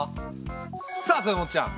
さあ豊本ちゃん。